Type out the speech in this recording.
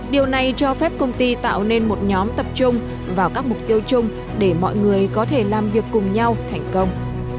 điều này cho phép công ty tạo nên một nhóm tập trung vào các mục tiêu chung để mọi người có thể làm việc cùng nhau thành công